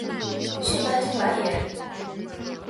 炫家军来也！